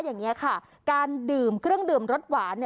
อย่างนี้ค่ะการดื่มเครื่องดื่มรสหวาน